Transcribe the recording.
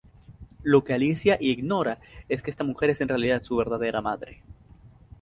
Lo que Alicia ignora, es que esta mujer es en realidad su verdadera madre.